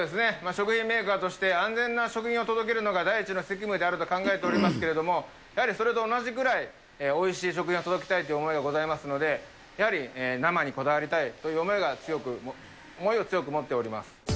食品メーカーとして、安全な食品を届けるのが第一の責務であると考えておりますけれども、やはりそれと同じぐらい、おいしい食品を届けたいという思いがございますので、やはり生にこだわりたいという思いが、強く、思いを強く思っております。